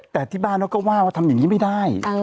แต่ที่บ้านเขาก็ว่าว่าทำอย่างนี้ไม่ได้